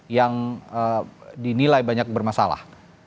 yang dinilai banyak bermasalah